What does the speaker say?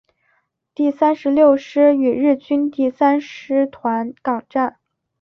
第三十六师与日军第三师团巷战。